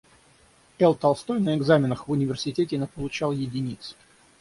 Л.Толстой на экзаменах в университете наполучал единиц.